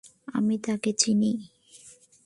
আমি তাঁকে চিনি।